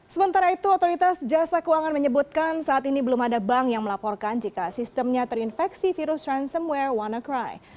sementara itu otoritas jasa keuangan menyebutkan saat ini belum ada bank yang melaporkan jika sistemnya terinfeksi virus ransomware wannacry